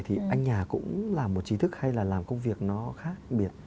thì anh nhà cũng là một trí thức hay là làm công việc nó khác biệt